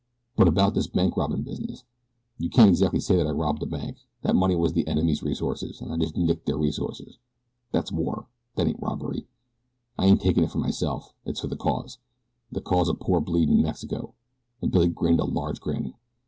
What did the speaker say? But about this bank robbin' business. You can't exactly say that I robbed a bank. That money was the enemy's resources, an' I just nicked their resources. That's war. That ain't robbery. I ain't takin' it for myself it's for the cause the cause o' poor, bleedin' Mexico," and Billy grinned a large grin.